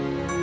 gak mau nyak